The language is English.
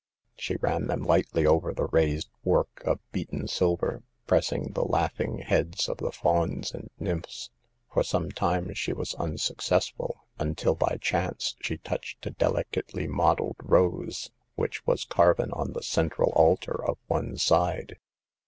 She ran them lightly over the raised work of beaten silver, pressing the laughing heads of the fauns and nymphs. For some time she was unsuccessful, until by chance she touched a delicately modeled rose, which was carven on the central altar of one side.